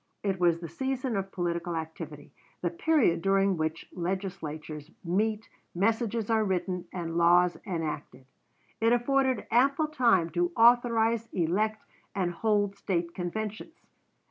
It was the season of political activity the period during which legislatures meet, messages are written, and laws enacted. It afforded ample time to authorize, elect, and hold State conventions.